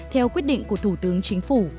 theo quyết định của thủ tướng chính phủ